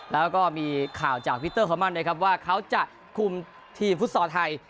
แล้วก็มีข่าวจากวิเตอร์คอมันนะครับว่าเขาจะคุมทีมฟุตซอลไทย